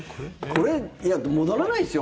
これ戻らないですよ。